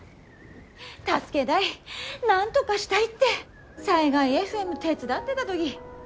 助けだいなんとがしたいって災害ＦＭ手伝ってだ時。